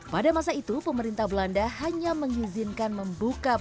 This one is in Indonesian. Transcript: pada masa itu pemerintah belanda hanya mengizinkan membuka